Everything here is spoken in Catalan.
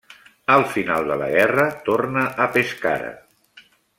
Al final de la guerra torna a Pescara.